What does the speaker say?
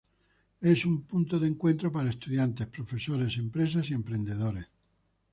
Es un punto de encuentro para estudiantes, profesores, empresas y emprendedores.